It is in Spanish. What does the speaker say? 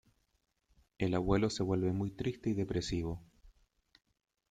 El Abuelo se vuelve muy triste y depresivo.